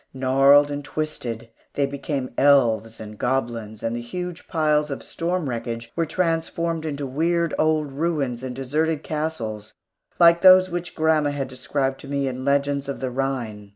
Gnarled and twisted, they became elves and goblins, and the huge piles of storm wreckage were transformed into weird old ruins and deserted castles like those which grandma had described to me in legends of the Rhine.